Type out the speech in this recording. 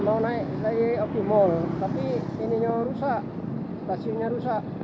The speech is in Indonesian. mau naik lagi opi mall tapi ini rusak stasiunnya rusak